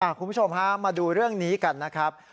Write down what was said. คุณผู้ชมฮะมาดูเรื่องนี้กันนะครับ